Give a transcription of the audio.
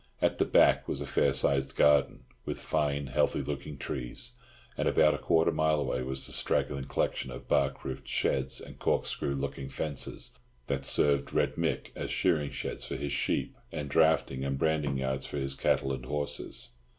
At the back was a fair sized garden, with fine, healthy looking trees; and about a quarter of a mile away was the straggling collection of bark roofed sheds and corkscrew looking fences that served Red Mick as shearing sheds for his sheep, and drafting and branding yards for his cattle and horses.